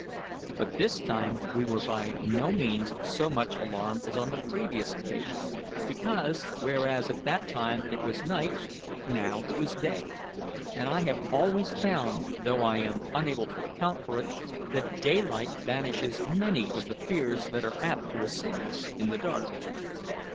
But this time we were by no means so much alarmed as on the previous occasion, because, whereas at that time it was night, now it was day; and I have always found, though I am unable to account for it, that daylight banishes many of the fears that are apt to assail us in the dark.